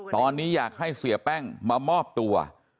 ตอนนี้อยากให้เสียแป้งมามอบตัว